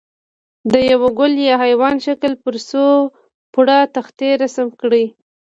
د یوه ګل یا حیوان شکل پر څو پوړه تختې رسم کړئ.